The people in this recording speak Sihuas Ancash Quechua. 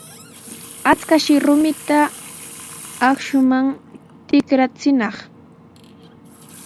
Achkayshi rumita akshuman tikrachinaq.